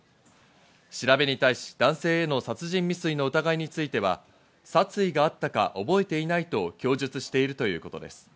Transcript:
調べに対し、男性への殺人未遂の疑いについては、殺意があったか覚えていないと供述しているということです。